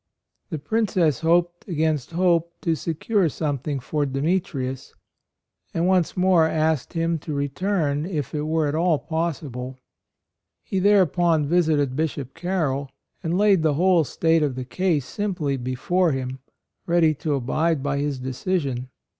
The 92 A ROYAL SON Princess hoped against hope to secure something for Demetrius, and once more asked him to return, if it were at all possible. He thereupon visited Bishop Carroll, and laid the whole state of the case simply before him, ready to abide by his decision.